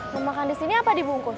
rumah makan di sini apa dibungkus